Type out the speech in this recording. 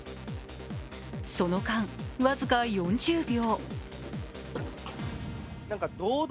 その間、僅か４０秒。